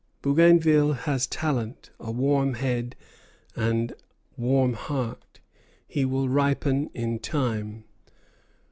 Bougainville has talent, a warm head, and warm heart; he will ripen in time.